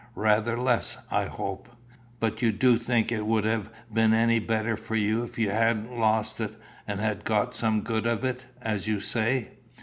Rather less, I hope. But do you think it would have been any better for you if you hadn't lost it, and had got some good of it, as you say?"